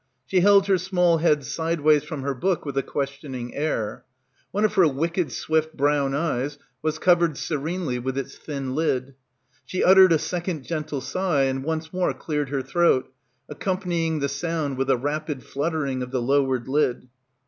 She held her small head sideways from her book with a questioning air. One of her wicked swift brown eyes was covered serenely with its thin lid. She uttered a second gentle sigh and once more cleared her throat, accompanying the sound with a rapid fluttering of the lowered lid.